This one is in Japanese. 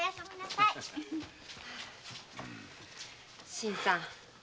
新さん。